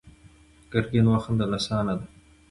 ګرګين وخندل: اسانه ده.